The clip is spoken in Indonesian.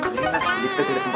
jadi kita cari tempat lain aja